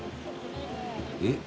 えっ？